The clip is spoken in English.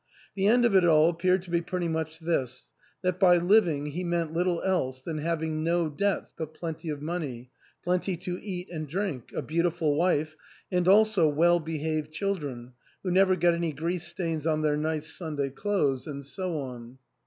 The end of it all ap peared to be pretty much this — that by living he meant little else than having no debts but plenty of money, plenty to eat and drink, a beautiful wife, and also well behaved children, who never got any grease stains on their nice Sunday clothes, and so on.